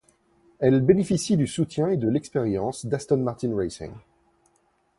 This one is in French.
Elle bénéficie du soutien et de l'expérience d'Aston Martin Racing.